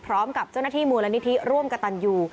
พร้อมกับเจ้าหน้าที่มูลนิธิร่วมกับตันยู